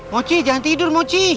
mochi jangan tidur mochi